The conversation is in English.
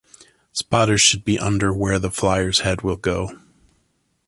Spotters should be under where the flyer's head will go.